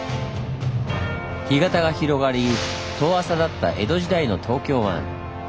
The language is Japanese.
干潟が広がり遠浅だった江戸時代の東京湾。